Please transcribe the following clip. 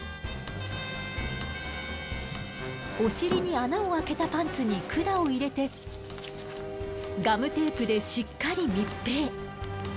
お尻に穴をあけたパンツに管を入れてガムテープでしっかり密閉。